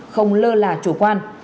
không lơ là chủ quan